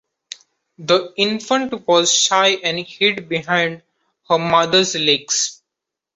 The infant was shy and hid behind her mother’s legs.